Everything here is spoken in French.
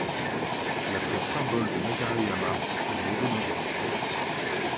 La fleur symbole de Nagareyama est le rhododendron.